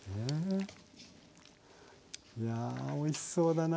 いやおいしそうだなあ。